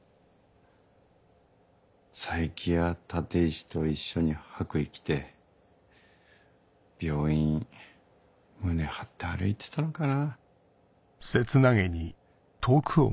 冴木や立石と一緒に白衣着て病院胸張って歩いてたのかな。